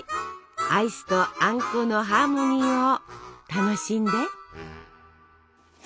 アイスとあんこのハーモニーを楽しんで。